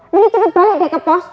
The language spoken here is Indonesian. mending cepet balik deh ke pos